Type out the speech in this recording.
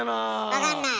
分かんない？